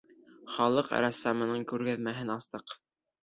Халыҡ рәссамының күргәҙмәһен астыҡ.